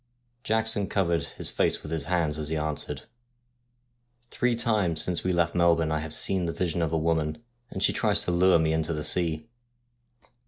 Jackson covered his face with his hands as he answered :' Three times since we left Melbourne I have seen the vision of a woman, and she tries to lure me into the sea.'